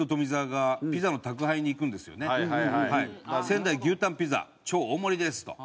「仙台牛タンピザ超大盛です！！」と。